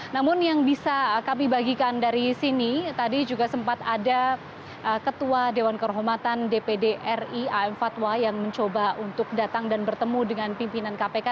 namun yang bisa kami bagikan dari sini tadi juga sempat ada ketua dewan kehormatan dpd ri am fatwa yang mencoba untuk datang dan bertemu dengan pimpinan kpk